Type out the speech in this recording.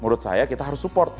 menurut saya kita harus support